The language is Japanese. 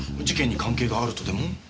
事件に関係があるとでも？